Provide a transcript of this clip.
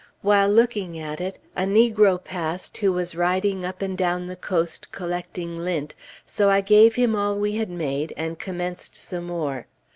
While looking at it, a negro passed who was riding up and down the coast collecting lint, so I gave him all we had made, and commenced some more.